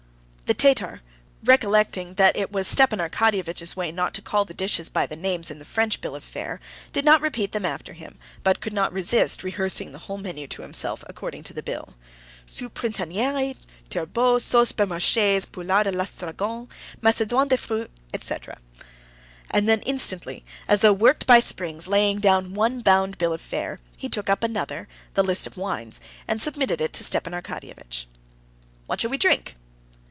The Tatar, recollecting that it was Stepan Arkadyevitch's way not to call the dishes by the names in the French bill of fare, did not repeat them after him, but could not resist rehearsing the whole menu to himself according to the bill:—"Soupe printanière, turbot, sauce Beaumarchais, poulard à l'estragon, macédoine de fruits ... etc.," and then instantly, as though worked by springs, laying down one bound bill of fare, he took up another, the list of wines, and submitted it to Stepan Arkadyevitch. "What shall we drink?"